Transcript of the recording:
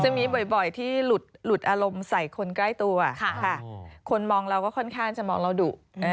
จะมีบ่อยที่หลุดอารมณ์ใส่คนใกล้ตัวคนมองเราก็ค่อนข้างจะมองเราดุ